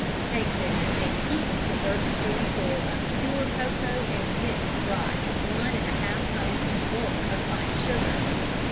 Take then a heaped dessert spoonful of pure cocoa and mix dry with one and a half times its bulk of fine sugar.